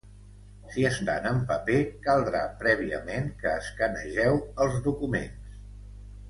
Si estan en paper caldrà, prèviament, que escanegeu els documents.